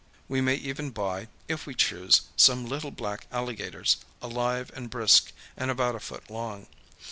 We may even buy, if we choose, some little black alligators, alive and brisk and about a foot long.